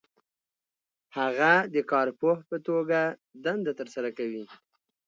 هغه د کارپوه په توګه دنده ترسره کوي.